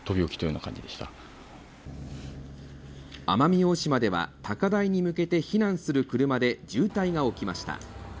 奄美大島では高台に向けて避難する車で渋滞が起きました。